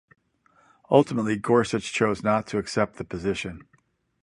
Ultimately, Gorsuch chose not to accept the position.